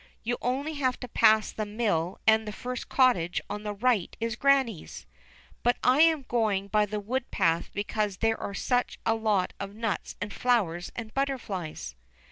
"You only have to pass the mill and the first cottage on the right is Grannie's ; but I am going by the wood path because there are such a lot of nuts and flowers and butterflies."